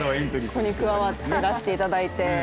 そうね、加わらせていただいて。